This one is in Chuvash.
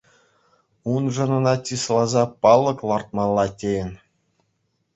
Уншӑнах ӑна чысласа палӑк лартмалла тейӗн.